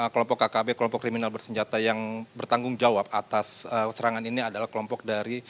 kelompok kkb kelompok kriminal bersenjata yang bertanggung jawab atas serangan ini adalah kelompok dari